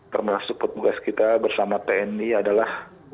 termasuk petugas kita bersama tni adalah